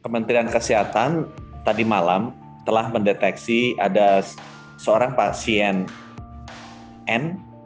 kementerian kesehatan tadi malam telah mendeteksi ada seorang pasien n